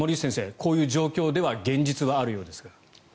こういう状況では現実はあるようです。